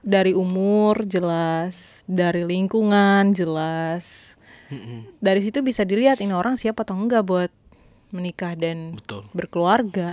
dari umur jelas dari lingkungan jelas dari situ bisa dilihat ini orang siap atau enggak buat menikah dan berkeluarga